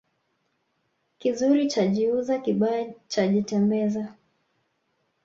Kizuri chajiuza kibaya chajitembeza